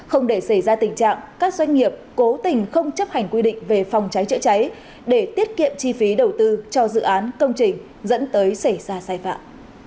không để xảy ra tình trạng các doanh nghiệp cố tình không chấp hành quy định về phòng cháy chữa cháy để tiết kiệm chi phí đầu tư cho dự án công trình dẫn tới xảy ra sai phạm